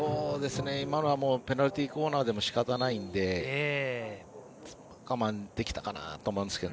今のはペナルティーコーナーでもしかたないので我慢できたかなと思いますけど。